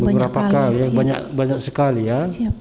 beberapa kali banyak banyak sekali ya